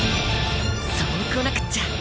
そうこなくっちゃ！